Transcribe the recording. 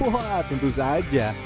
wah tentu saja